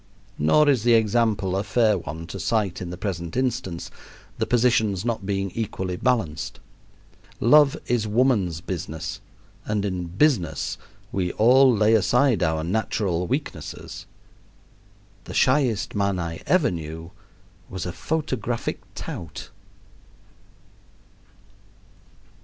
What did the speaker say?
Nor is the example a fair one to cite in the present instance, the positions not being equally balanced. Love is woman's business, and in "business" we all lay aside our natural weaknesses the shyest man I ever knew was a photographic tout.